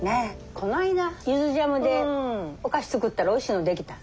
この間ゆずジャムでお菓子作ったらおいしいの出来た。